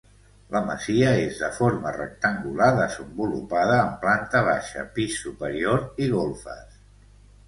La masia és de forma rectangular desenvolupada en planta baixa, pis superior i golfes.